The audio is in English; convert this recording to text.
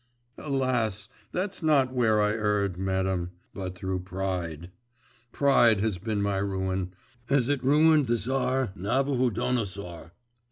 'Alas! that's not where I erred, madam, but through pride. Pride has been my ruin, as it ruined the Tsar Navuhodonosor.